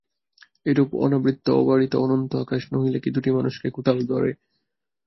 এইরূপ অনাবৃত অবারিত অনন্ত আকাশ নহিলে কি দুটি মানুষকে কোথাও ধরে।